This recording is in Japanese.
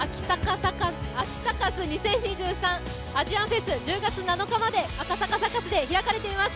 「秋サカス２０２３アジアンフェス」、１０月７日まで赤坂サカスで開かれています。